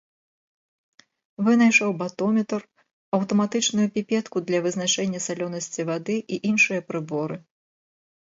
Вынайшаў батометр, аўтаматычную піпетку для вызначэння салёнасці вады і іншыя прыборы.